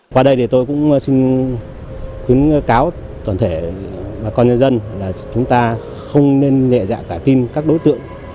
qua đây thì tôi cũng xin khuyến cáo toàn thể bà con nhân dân là chúng ta không nên nhẹ dạ cả tin các đối tượng